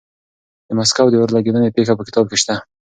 د مسکو د اور لګېدنې پېښه په کتاب کې شته.